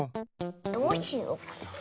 どうしようかな。